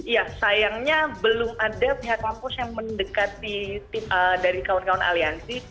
ya sayangnya belum ada pihak kampus yang mendekati dari kawan kawan aliansi